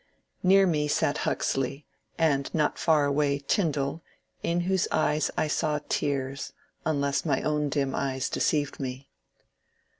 Near me sat Huxley, and not far away Tyndall, — in whose eyes I saw tears unless my own dim eyes deceived me.